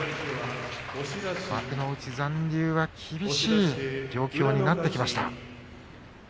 幕内残留は厳しい状況になってきました。